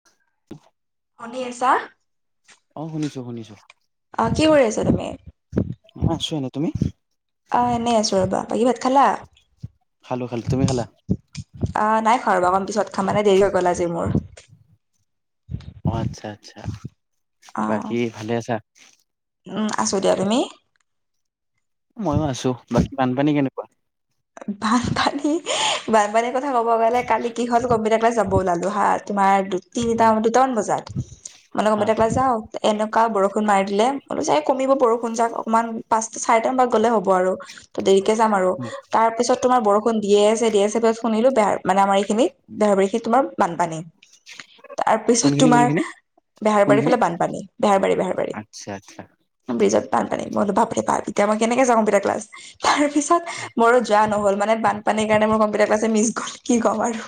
[inaudible] শুনি আছা? অ শুনিছো শুনিছো। অ কি কৰি আছা তুমি? মই আছোঁ এনেই, তুমি? অ এনেই আছো ৰ'বা, বাকী ভাত খালা? খালো খালোঁ, তুমি খালা? আহ নাই খোৱা ৰবা, অকণমান পিছত খাম মানে দেৰি হৈ গ'ল আজি মোৰ। অ আচ্ছা আচ্ছা, অ বাকী ভালে আছা? উম আছোঁ দিয়া, তুমি? ময়ো আছো, বাকী বানপানী কেনেকুৱা? বানপানী বানপানীৰ কথা ক'ব গ'লে কালি কি হল কম্পিউটাৰ ক্লাছ যাব ওলালো হা তোমাৰ তিনিটা দুটামান বজাত মানে হা কম্পিউটাৰ ক্লাছ যাওঁ এনকুৱা বৰষুণ মাৰি দিলে মই বোলো চাগে কমিব বৰষুণ যাক অকমান পাঁচটা চাৰিটা মান বজাত গ'লে হ'ব আৰু, ত দেৰিকে যাম আৰু তাৰপিছত তোমাৰ বৰষূণ দিয়ে আছে দিয়ে আছে পিছত শুনিলো বেহাৰ মানে আমাৰ এইখিনি বেহাৰবাৰী খিনি তোমাৰ বানপানী। তাৰপিছত কোনখিনি তোমাৰ কোনখিনি বেহাৰবাৰী কোনখিনি ফালে বানপানী, বেহাৰবাৰী বেহাৰবাৰী। আচ্ছা আচ্ছা। ব্ৰিজত বানপানী, মই বোলো বাপৰে বাপ এতিয়া মই কেনেকে যাওঁ কম্পিউটাৰ ক্লাছ? তাৰপিছত মোৰো যোৱা নহ'ল মানে বানপানীৰ কাৰণে মোৰ কম্পিটাৰ ক্লাছে মিচ গ'ল, কি কম আৰু।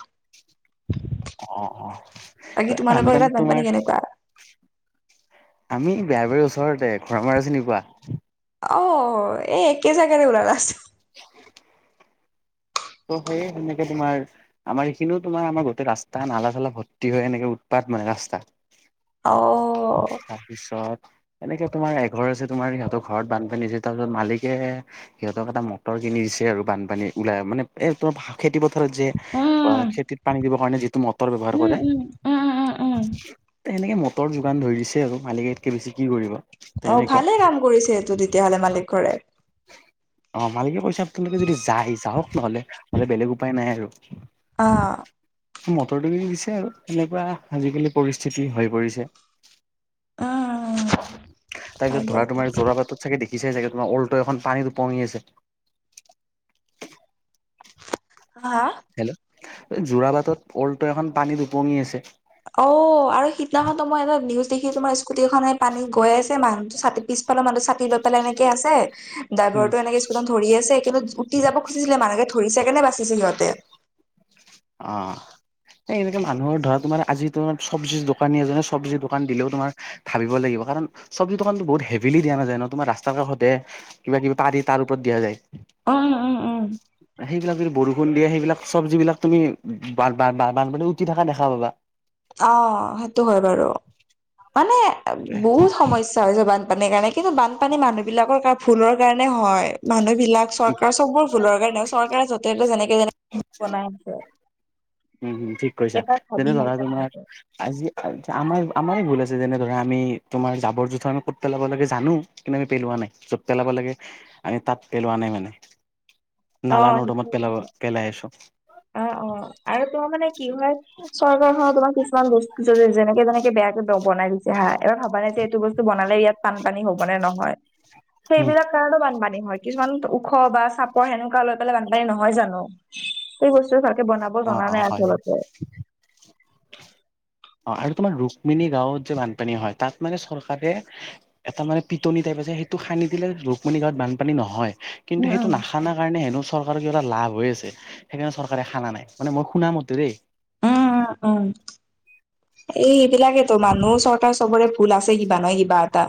অ অ বাকী তোমালোকৰ বানপানী তাত তোমাৰ কেনেকুৱা আমি বেহাৰবাৰী ওচৰতে, ঘৰামাৰা চিনি পোৱা? অ এই একেই জাগাৰে ওলালা চোন। [inaudible] ত' সেই সেনেকে তোমাৰ, আমাৰ এইখিনিও তোমাৰ আমাৰ গোটেই ৰাস্তা নালা চালা ভৰ্তি হয় এনেকে উৎপাত মানে ৰাস্তা। অ তাৰপিছত এনেকে তোমাৰ এঘৰ আছে তোমাৰ সিহঁত ঘৰত বানপানী দিছে তাৰপিছত মালিকে, সিহঁতক এটা মটৰ কিনি দিছে আৰু বানপানী ওলাই মানে, এই তোমাৰ খেতি পথাৰত যে, বা উম খেতিত পানী দিবৰ কাৰণে যিটো মটৰ ব্যৱহাৰ উম কৰে। উম উম উম উম উম এনেকে মটৰ যোগান ধৰিছে আৰু মালিকে ইয়াতকে বেছি কি কৰিব। অ তেনেকুৱা ভালে কাম কৰিছে এইটো তেতিয়াহলে মালিক ঘৰে। অ মালিকে পইচাটোকে লৈ যদি যায় যাওক নহলে, নহলে বেলেগ উপায় নাই আৰু। অ। মটৰটো দি দিছে আৰু তেনেকুৱা আজিকালি পৰিস্থিতি হৈ পৰিছে। উম তাৰপিছত হয় ধৰা দিয়ক তোমাৰ জোৰা বাটত চাগে দেখিছাই চাগে তোমাৰ অল্- টো এখন পানীত ওপঙি আছে। হা? হেল্ল, যোৰাবাটত অল্টো এখন পানীত ওপঙি আছে। ঔ আৰু সিদিনাখনো মই এটা নিউজ দেখি তোমাৰ স্কুটিখনে পানী গৈ আছে মানুহটো ছাতি পিছ- ফালৰ মানুহটো চাকি লৈ পেলাই এনেকে আছে। উম। ড্ৰাইভাৰটো এনেকে স্কুটত ধৰি আছে কিন্তু উঠি যাব খুজিছিলে মানে ধৰিছে কাৰনে বাচিছে সিহঁতে। অ। এই এনেকে মানুহৰ ধৰা তোমাৰ আজি তোমাৰ চব্জি দোকানী এজনে চব্জি দোকান দিলেও তোমাৰ! ভাবিব লাগিব। কাৰণ চব্জি দোকানতো বহুত হেভিলি দিয়া নাযায় ন তোমাৰ ৰাস্তাৰ কাষতে! কিবা কিবি পাৰি তাৰ ওপৰত দিয়া যায়। উম উম উম। সেইবিলাক যদি বৰষুণ দিয়ে সেইবিলাক চব্জি তুমি বা বা বা বানপানীত উতি থকা দেখা পাবা। অ' সেইটো হয় বাৰু। মানে বহুত সমস্যা বানপানীৰ কাৰণে, কিন্তু বানপানী মানুহ বিলাকৰ ভূলৰ কাৰণে হয়। মানুহবিলাক চৰকাৰ চবৰে ভুলৰ কাৰণে চৰকাৰে য'তে ত'তে যেনেকে যেনেকে বনাই আছে। উম উম। ঠিক কৈছা, একেটা ভাবি তেনে ধৰা নাচাই তোমাৰ সিহঁতে। আজি- আমাৰ, আমাৰে ভুল আছে। যেনে ধৰা আমি তোমাৰ জাবৰ-জোথৰ আমি ক'ত পেলাব লাগে জানো, কিন্তু আমি পেলোৱা নাই। পেলাব লাগে, আমি তাত পেলোৱা নাই মানে। অ' নালা সেইটোৱে নৰ্দমাত পেলাব কথা। পেলাই আছো। অ অ। আৰু তোমাৰ মানে কি হয়, চৰকাৰ খনৰ তোমাৰ কিছুমান বস্তু যেনেকে যেনে- বেয়াকে দ বনাই দিছে হা, এবাৰ ভাবা নাই যে এইটো বস্তু বনালে ইয়াত বানপানী হ'ব নে নহয়। উম সেইবিলাক কাৰণেও বানপানী হয় কিছুমান ওখ বা চাপৰ সেনেকুৱা লৈ পেলাই বানপানী নহয় জানো! সেই বস্তু ভালকে বনাব অ জনা অ নাই হয় হয় আচলতে। অ, আৰু তোমাৰ ৰুক্মিণী গাঁওত যে বানপানী হয়, তাত মানে চৰকাৰে! এটা মানে পিটনি টাইপ আছে সেইটো খানি দিলে ৰুক্মিণী গাঁৱত বানপানী নহয়। উম কিন্তু উম সেইটো না- খানা কাৰণে হেনো চৰকাৰৰ কিবা এটা লাভ হৈ আছে, সেইকাৰণে চৰকাৰে খানা নাই। মানে মই শুনা মতে দেই। উম উম। এই সেইবিলাকেটো মানুহ, চৰকাৰ চবৰে ভুল আছে কিবা নহয় কিবা এটা।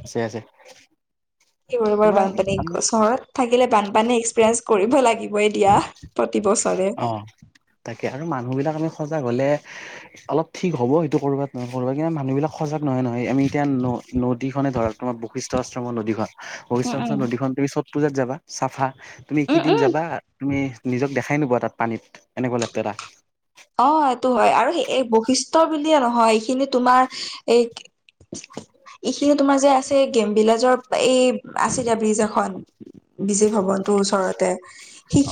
আছে আছে। এইবোৰ বৰ তোমাৰ বানপানী আমি চহৰত। থাকিলে বানপানী এক্সপিৰিয়েঞ্চ কৰিব লাগিবই দিয়া প্ৰতিবছৰে। অ' তাকে আৰু মানুহবিলাক আমি সজাগ হ'লে! অলপ ঠিক হ'ব, সেইটো ক'ৰবাত নহয়, ক'ৰবাত, কিন্তু মানুহবিলাক সজাগ নহয়, নহয়। আমি এতিয়া ন-নদীখনে ধৰা তোমাৰ বশিষ্ঠ আশ্ৰমৰ নদীখন। বশিষ্ঠ উম উম আশ্ৰমৰ নদীখন তুমি চত পূজাত যাবা চাফা। তুমি উম কিদিন উম যাবা তুমি নিজক দেখা দেখাই নোপোৱা তাত পানীত এনেকুৱা লেতেৰা। অ, এইটো হয় আৰু এই বৈশিষ্ট বুলিয়েই নহয় এইখিনি তোমাৰ এই এইখিনি তোমাৰ যে আছে কেম ভিলেজৰ এই আছে যে ব্ৰিজ এখন। বিজু ভৱনটোৰ ওচৰতে,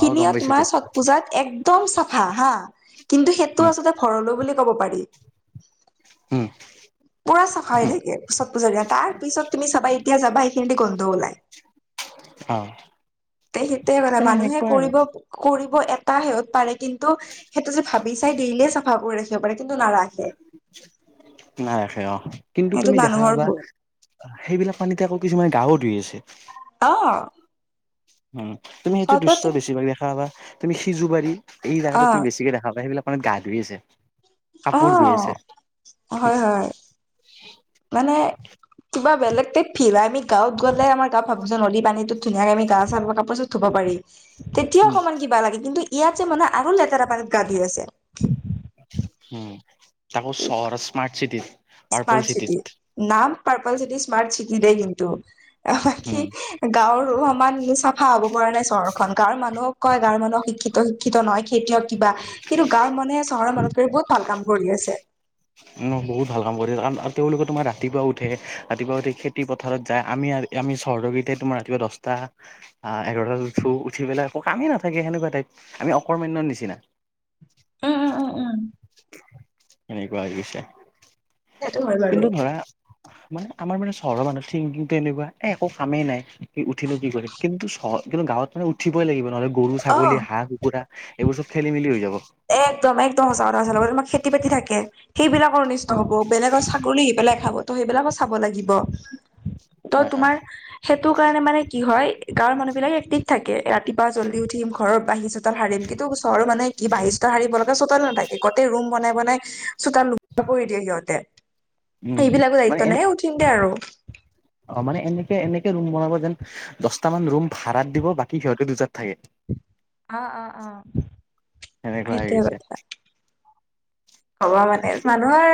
অ গম পাইছো তোমাৰ এতিয়া ছট পূজাত এক একদম চাফা হা, কিন্তু সেইটো উম আচলতে ঘৰলৈ বুলি ক'ব পাৰি। উম, পুৰা চাফা হৈ থাকে, চ'ত পূজাৰ দিনা তাৰ পিছত তুমি চাবা এতিয়া যাবা, এইখিনি দি যাবা গন্ধ ওলাই। অ তে, সেইটোৱে মানে মানুহে এনেকুৱাই আৰু কৰিব কৰিব এটা পাৰে, কিন্তু সেইটো যে ভাবি চাই, দে লেই চ চাফা কৰি ৰাখিব পাৰে, কিন্তু নাৰাখে। নাৰাখে অ, কিন্তু সেইটো তুমি দেখা মানুহৰ পাবা। ভুল সেইবিলাক পানীতে আকৌ কিছুমানে গাও ধুই আছে। অ, উম, তুমি সেইটো দৃশ্য চৰ্বতে বেছিভাগ দেখা পাবা, তুমি সিজু বাৰী এই অ জেগাতটো তুমি বেছিকে দেখা পায় সেইবিলাক মানে গা ধূই আছে। অ, কাপোৰ ধুই আছে হয়, হয়। মানে কিবা বেলেগটে ফিল হয়, আমি গাওঁত গ'লে আমাৰ গা ভাবো নদী পানীত ধুনীয়াকে আমি গা, কাপোৰত, ধুব পাৰি। তেতিয়া উম অকনমান কিবা লাগে, কিন্তু ইয়াত যে মানে আৰু লেতেৰা পানীত গা ধুই আছে। উম, তাকো চহৰত স্মাৰ্ট চিটি স্মাৰ্ট চিটি, নাম পাৰ্পল চিটি স্মাৰ্ট চিটি দেই কিন্তু, উম বাকি গাঁৱৰো দুঘৰ মান চাফা হ'ব পৰা নাই, চহৰখন গাঁৱৰ মানুহক কয়, গাঁৱৰ মানুহক শিক্ষিত- শিক্ষিত নহয় খেতিয়ক কিবা কিন্তু গাঁৱৰ মানুহে চহৰৰ মানুহতকৈ বহুত ভাল কাম কৰি আছে। বহুত ভাল কাম কৰি কাৰ আৰু তেওঁলোকে তোমাৰ ৰাতিপুৱা উঠে, ৰাতিপুৱা উঠি খেতি পথাৰত যায় আমি আৰু আমি চহৰিতে তোমাৰ ৰাতিপুৱা দহটা এঘাৰটাত উঠো, উঠি পেলাই আকৌ কামেই নাথাকে, সেনেকুৱা টাইপ, আমি অকৰ্মমানণ্যয়ৰ নিচিনা। উম, উম, উম, উম, উম, সেনেকোৱা হৈ গৈছে। কিন্তু ধৰা উ মানে আমাৰ মানে চহৰৰ মানুহ থিংকিংটো এনেকুৱা এ, একো কামেই নাই, উঠিনো কি কৰিম? কিন্তু চহৰত, কিন্তু গাঁৱত মানে উঠিবই লাগিব নহ'লে গৰু অ ছাগলী, হাঁহ, কুকুৰা, এইবোৰ চ'ব খেলি-মেলি হৈ যাব। একদম, একদম সঁচা কথা হাৰ লগতে তোমাক খেতি বাতি থাকে সেইবিলাকৰ অনিষ্ট উম হ'ব বেলেগৰ [inaudible] পেলাই খাব ত, সেইবিলাকো চাব লাগিব ত, হয় হয় তোমাৰ সেইটো কাৰণে মানে কি হয়, গাঁৱৰ মানুহ বিলিলাক এক্টিভ থাকে ৰাতিপুৱা জলদি উঠিম, ঘৰৰ বাহি চো হাৰিম, কিন্তু চহৰৰ মানুহে কি বাহিচটা, সাৰিব লগা চোতাল নাথাকে গোতেই ৰুম বনাই, বনাই চোতাল ল, কৰি দিয়ে সিহঁতে। উম সেইবিলাকো মানে দায়িত্ব নাই, এনে হে, উঠিম দে আৰু। অ, মানে এনেকে-এনেকে ৰুম বনাব যেন, দহটামান ৰুম ভাড়াত দিব বাকী সিহঁতে দুটাত থাকে। অ, অ, অ, সেনেকুৱা হৈ সেইটোৱে গৈছে। ক'বা মানে, মানুহৰ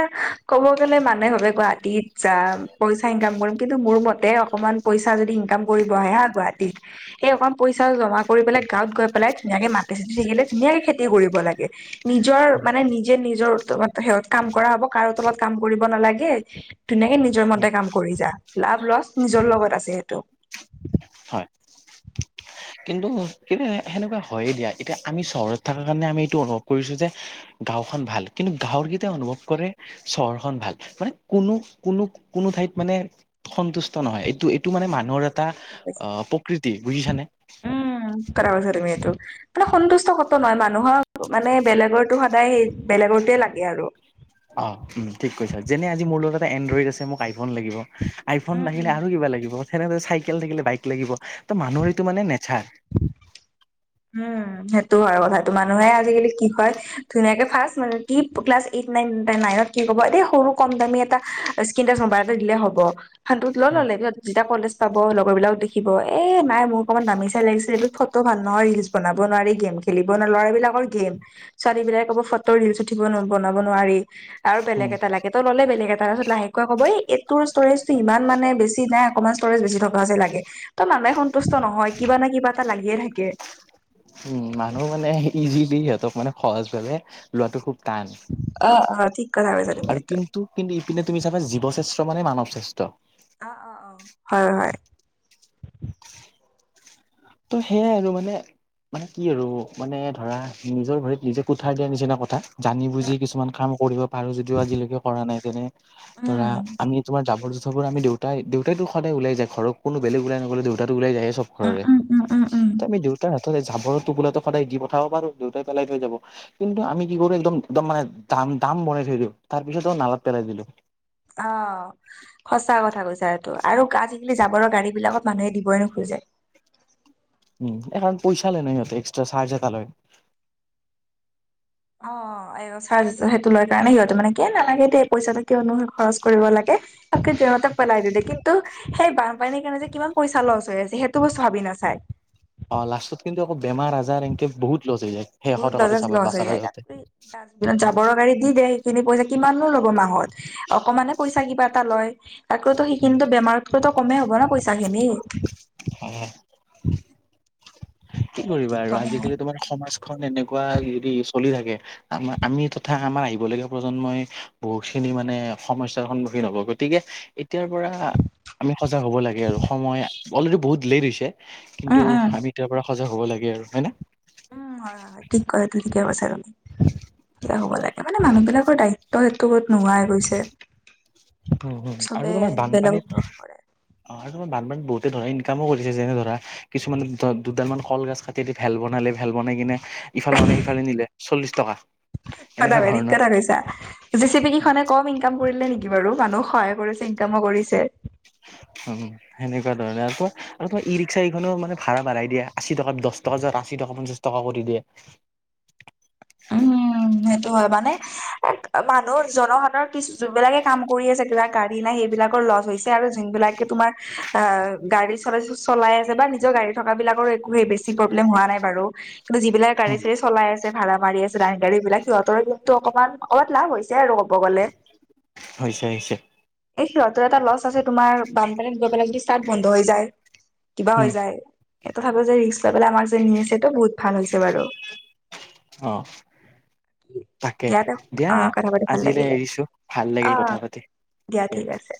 ক'ব গ'লে মানুহে ভাৱে গুৱাহাটীত যাম পইচা ইনকাম কৰিম। কিন্তু মোৰ মতে, অকমান পইচা যদি ইনকাম কৰিব আহে হা গুৱাহাটীত সেই অকণ পইচা জমা কৰি পেলাই, গাঁৱত গৈ পেলাই ধুনীয়াকে মাটি- চাতি থাকিলে ধুনীয়াকে খেতি কৰিব লাগে। নিজৰ মানে, নিজে নিজ নিজৰ উত্তমত সিহঁত কাম কৰা হ'ব। কাৰো তলত কাম কৰিব নালাগে। ধুনীয়াকে নিজৰ মতে কাম কৰি যা লাভ, লছ নিজৰ লগত আছে সেইটো। হয়। [inaudible] কিন্তু, কিন্তু সে সেনেকুৱা হয় দিয়া। এতিয়া আমি চহৰত থকা কাৰণে আমি এইটো অনুভৱ কৰিছোঁ যে গাঁওখন ভাল কিন্তু গাঁৱৰকেইটাই অনুভৱ কৰে চহৰখন ভাল। মানে কোনো, কোনো কোনো ঠাইত মানে সন্তুষ্ট নহয়। এইটো এই টো মানে মানুহৰ এটা অঁ প্ৰকৃতি বুজিছানে? উম ঠিক কথা কৈছা এইটো। মানে সন্তুষ্ট কতো নহয়। মানুহৰ মানে বেলেগৰটো সদায়, বেলেগৰটোৱে লাগে আৰু। অহ্, উম ঠিক কৈছা। যেনে- আজি মোৰ লগত এটা এনড্ৰইড আছে মোক আইফোন লাগিব। আইফোন উম উম থাকিলে আৰু কিবা লাগিব, তেনেকে চাইকেল থাকিলে বাইক লাগিব। ত' মানুহ এইটো নেচাৰ। উম, সেইটো হয় কথাটো। মানুহে আজিকালি কি কয় ধুনীয়াকে ফাৰ্ষ্ট মানে কিপ্ ক্লাছ এইট, নাইন এতিয়া নাইনত কি ক'ব এই সৰু কম দামী এটা স্কিন্তাছ ম'বাইল এটা দিলে হ'ব। সেয়াত দুধ লৈ ল'লে এদিনত। যেতিয়া কলেজ পাব, লগৰ বিলাকক দেখিব এ নাই মোক অকণমান দামি চাই লাগিছে এইটোত ফটো ভাল নহয়। ৰিল ৰীলছ বনাব নোৱাৰি, গেম খেলিব নোৱাৰি। ল'ৰাবিলাকৰ গেম ছোৱালীবিলাকে ক'ব ফটো, ৰিলচ উঠিব বনাব নোৱাৰি আৰু বেলেগ উম এটা লাগে। ত' ল'লে বেলেগে এটা তাৰপিছত লাহেকৈ ক'ব এইটোৰ ষ্টৰেজ ইমান মানে বেছি নাই অকণমান ষ্টৰেজ বেছি থকা আছে লাগে। ত' মানুহে সন্তুষ্ট নহয়। কিবা নহয় কিবা এটা লাগিয়ে থাকে। উম, মানুহ মানে ইজিলি সিহঁতক মানে সহজ ভাৱে লোৱাটো খুব কাচ অ অ ঠিক কথা কৈছা তুমি আৰু এইটো কিন্ ন্তু কিন্তু ইপিনে তুমি চাবা জীৱশ্ৰেষ্ঠ মানে মানৱ শ্ৰেষ্ঠ। অঁ, অঁ অঁ। হয়, হয়। ত' সেয়াই আৰু মানে মানে কি আৰু মানে ধৰা নিজৰ ভৰিত, নিজে কোঠাৰ দিয়াৰ নিচিনা কথা। জানি বুজি কিছুমান কাম কৰিব পাৰো যদিও আজিলৈকে কৰা নাই। যেনে উম ধৰা, আমি তোমাৰ যাবৰ - যুথ চবৰ আমি দেউতাই দেউইটো সদায় ওাই যায়। ঘৰত কোনো বেলেগ ওলাই নগলোঁ দেউতাটো ওলাই যায় চব উম ঘৰৰে। উম উম উম উম ত' আমি দেউতাৰ হাততে জাবৰ টোপোলাটো সদায় দি পঠাব পাৰো। দেউতাই পেলাই থৈ যাব। কিন্তু আমি দিব গ'লে একদম একদম মানে জাম, জাম বঢ়াই থৈ দিওঁ। তাৰপিছতে নালত পেলাই দিলোঁ। অঁ সঁচা কথা কৈছা এইটো আৰু আজি - কালি জাবৰৰ গাড়ী বিলাকত মানুহে দিবই নোখোজে। উম, এখন পইচা লয় না সিহঁতে এক্সটা চাৰ্জ এটা লয়। অঁ অঁ, এট্ চাৰ্জ সেইটো লৈ কাৰণে সিহঁতে মানে কি নালাগে দে পইচাটো কিয়নো খৰচ কৰিব লাগে। পুককে জেৱাতে পলাই দিলে কিন্তু সেই বানপানীৰ কাৰনে যে কিমান পইচা লছ হৈ আছে সেইটোকো ভাবি নাচায়। অঁ, লাষ্টত কিন্তু আক' বেমাৰ -আজাৰ এনেকে বহুত লছ হৈ যায়। সেই এশ বহুত টকাটো লজাজ চাব লছ হৈ বাচাব যায় যাওঁতে তাত। জাবৰ গাড়ীত দি দেহি। সেইখিনি পইচা কিমানো লব মাহত অকমানে পইচা কিবা এটা লয় তাতকৈতো উম সেইখিনিতো বেমাৰ ততো কমেই হ'ব ন পইচা খিনি অ কি কৰিবা ঠিক আৰু কথা। আজিকালি তোমাৰ সমাজখন এনেকুৱা যি টি চলি থাকে আমা আমি তথা আমাৰ আহিব লগগীয়া প্ৰজন্মই বহুত খিনি মানে সমস্যাৰ সন্মুখীন হব গতিকে এতিয়াৰ পৰা আমি সজাগ হ'ব লাগে আৰু সময় অলৰেডি বহুত লেট হৈছে আমি উম উম এতিয়াৰপৰা সজাগ হ'ব লাগে আৰু হয় নে উম হয় হয় হয় ঠিক কয় ঠিকে কৈছা তুমি সেয়া হ'ব লাগে তামানে মানুহবিলাকৰ দায়িত্ব সেটো নোহোৱাই গৈছে উম উম চবে আৰু তোমাৰ বেলেগক বানপানীত ভৰষা কৰে অ আৰু বান পানীত বহুতে ধৰা ইনকামো কৰিছে যেনে ধৰা কিছুমানে দ দুডাল মান কল গাছ কাট টিদি ভেল বনালি ভেল বনাই কিনে ইফালৰ মানুহে সিফালে নিলে চল্লিশ টকা এনেকুৱা ধৰণৰ জেচিপি কেইখনে কম ইনকাম কৰিলে নেকি বাৰু মানুহ সহায় কৰিছে ইনকামো কৰিছে অ সেনেকুৱা ধৰণে আৰু কোৱা আৰু তোমাৰ ই ৰিক্সােকেইখনো মানে ভাড়া মাৰাই দিয়া আশী টকাত দচ টকা যা আশী টকা মান টকাকো দি দিয়ে উম সেইটো হয় মানে এ মানুহ জনসাধাৰণ কিছ যোনবিলাকে কাম কৰি আছে কিবা গাড়ী নাই সেইবিলাকৰ লছ হৈছে আৰু যোনবিলাকে তোমাৰ আ গাড়ী চলাইছে চলাই আছে বা নিজৰ গাড়ী থকা বিলাকৰো একো সেই বেছি প্ৰব্লেম হোৱা নাই বাৰু কিন্তু যিবিলাকে গাড়ী উম, চাৰি চলাই আছে ভাড়াত মাৰি আছে দাই গাড়ীবিলাক সিহঁতৰ কিন্তু অকমান অকমান লাভ হৈছে আৰু ক'ব গ'লে হৈছে হৈছে এই সিহঁতৰ এটা লচ আছে তোমাৰ বানপানীত গৈ পেলাই যদি চষ্টাৰ্ট বন্ধ হৈ যায় কিবা উম, হৈ যায় এই কথাটো যে ৰিক্স লৈ পেলাই আমাক যে নি আছে তো বহুত ভাল হৈছে বাৰু অ তাকেহ দে। দিয়া অ' কথা পাতি ভাল আজিলে লাগিলে এৰিছো ভাল লাগিল অ' কথা পাতি দিয়া ঠিক আছে